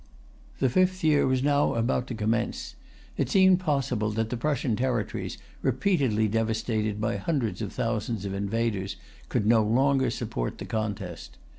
The fifth year was now about to commence. It seemed impossible that the Prussian territories, repeatedly devastated by hundreds of thousands of invaders, could longer support the contest.